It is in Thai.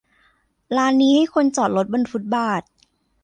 ร้านนี้ให้คนจอดรถบนฟุตบาท